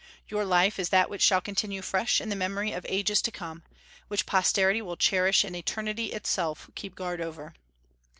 Your life is that which shall continue fresh in the memory of ages to come, which posterity will cherish and eternity itself keep guard over.